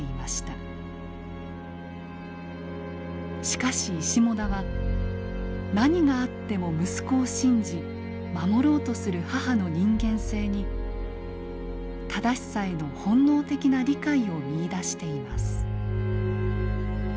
しかし石母田は何があっても息子を信じ守ろうとする母の人間性に正しさへの本能的な理解を見いだしています。